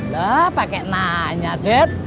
lah pakai nanya det